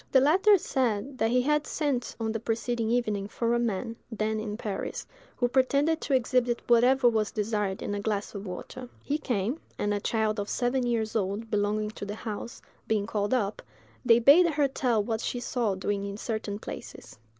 The latter said that he had sent on the preceding evening for a man, then in Paris, who pretended to exhibit whatever was desired in a glass of water. He came, and a child of seven years old, belonging to the house, being called up, they bade her tell what she saw doing in certain places.